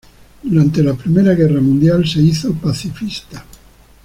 Durante la Primera Guerra Mundial se hizo pacifista.